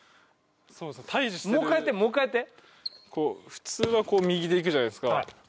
普通は右で行くじゃないですか。